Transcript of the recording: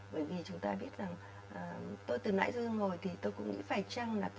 bởi vì chúng ta biết rằng tôi từ nãy dư ngồi thì tôi cũng nghĩ phải chăng là cái tỷ lệ